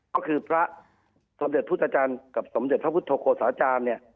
ก็คือพระสมเด็จพุทธจันทร์กับสมเด็จพระพุทธโฆษาจารย์เนี่ย